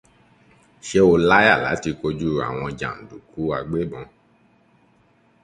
Ṣé o láyà láti kojú àwọn jànùdùkú agbébọn?